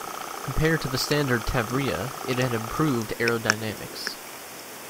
Compared to the standard "Tavria" it had improved aerodynamics.